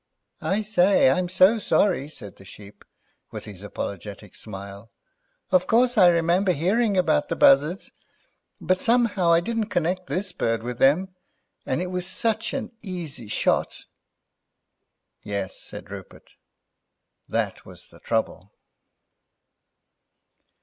"I say, I'm so sorry," said the Sheep, with his apologetic smile. "Of course I remember hearing about the buzzards, but somehow I didn't connect this bird with them. And it was such an east shot—" "Yes," said Rupert; "that was the trouble."